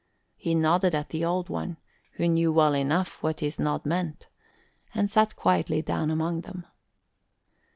He nodded at the Old One, who knew well enough what his nod meant, and sat quietly down among them.